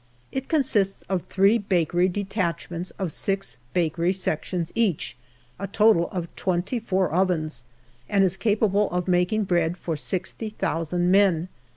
It consists of three Bakery Detachments of six Bakery Sections each, a total of twenty four ovens, and is capable of making bread for sixty thousand men.